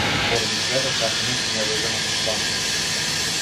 Поради презафатеност не дојде на состанокот.